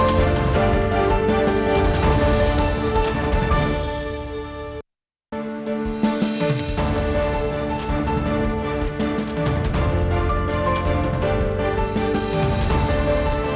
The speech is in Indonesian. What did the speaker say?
bertemu dengan penkea orang yang kalau patrimonial tersebut